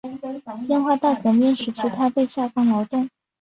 文化大革命时期他被下放劳动。